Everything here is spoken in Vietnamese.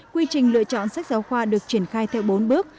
quy trình lựa chọn sách giáo khoa được triển khai theo bốn bước